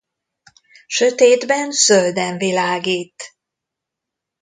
Sötétben zölden világít.